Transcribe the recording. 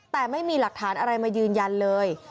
แต่ไม่มีหลักฐานอะไรมายืนยันเลย